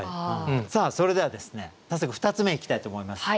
それでは早速２つ目いきたいと思います。